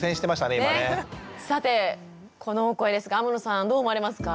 さてこのお声ですが天野さんどう思われますか？